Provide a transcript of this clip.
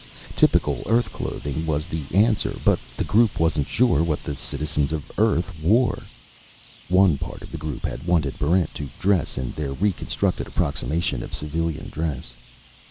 Typical Earth clothing was the answer; but the Group wasn't sure what the citizens of Earth wore. One part of the Group had wanted Barrent to dress in their reconstructed approximation of civilian dress.